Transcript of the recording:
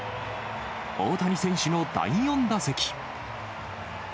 大谷選手の第４打席。